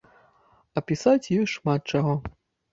А пісаць ёсць шмат чаго!